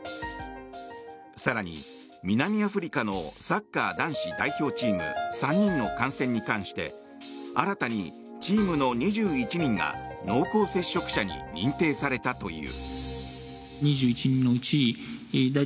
更に、南アフリカのサッカー男子代表チーム３人の感染に関して新たにチームの２１人が濃厚接触者に認定されたという。